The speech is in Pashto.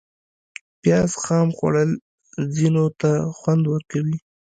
پیاز خام خوړل ځینو ته خوند ورکوي